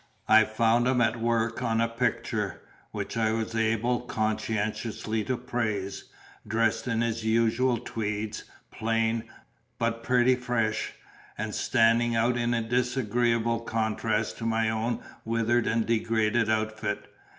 I found him at work on a picture, which I was able conscientiously to praise, dressed in his usual tweeds, plain, but pretty fresh, and standing out in disagreeable contrast to my own withered and degraded outfit.